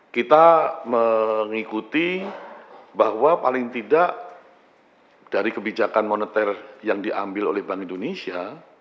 kita mengikuti bahwa paling tidak dari kebijakan moneter yang diambil oleh bank indonesia